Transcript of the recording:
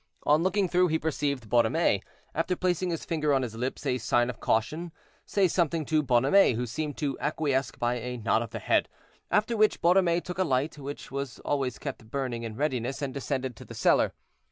On looking through, he perceived Borromée, after placing his finger on his lips, as a sign of caution, say something to Bonhomet, who seemed to acquiesce by a nod of the head, after which Borromée took a light, which was always kept burning in readiness, and descended to the cellar.